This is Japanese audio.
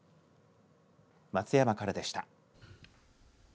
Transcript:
松山からでした。